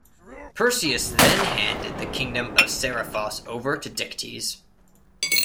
Perseus then handed the kingdom of Seriphos over to Dictys.